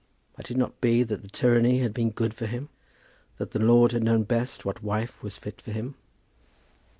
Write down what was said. Might it not be that the tyranny had been good for him? that the Lord had known best what wife was fit for him?